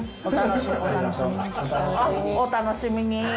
「お楽しみに」